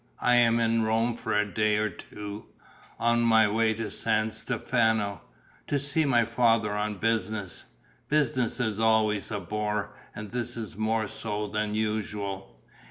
I am in Rome for a day or two, on my way to San Stefano, to see my father on business. Business is always a bore; and this is more so than usual.